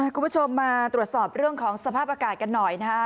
คุณผู้ชมมาตรวจสอบเรื่องของสภาพอากาศกันหน่อยนะคะ